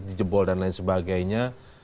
di jebol dan lain sebagainya